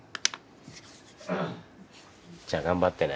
じゃあ頑張ってね。